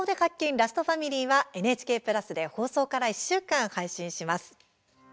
ラストファミリー」はＮＨＫプラスでは放送から１週間配信します。